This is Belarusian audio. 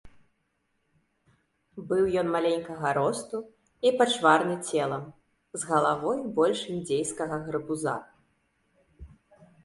Быў ён маленькага росту і пачварны целам, з галавой больш індзейскага гарбуза.